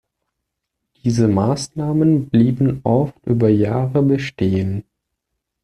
Diese Maßnahmen blieben oft über Jahre bestehen.